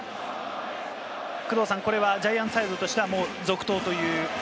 これはジャイアンツサイドとしては続投という。